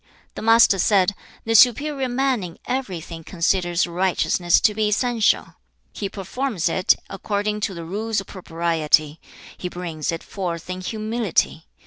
The Master said, 'The superior man in everything considers righteousness to be essential. He performs it according to the rules of propriety. He brings it forth in humility.